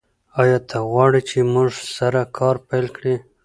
ایا ته غواړې چې موږ سره کار پیل کړې؟